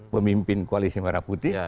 pemimpin koalisi merah putih